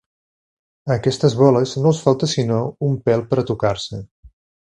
A aquestes boles no els falta sinó un pèl per a tocar-se.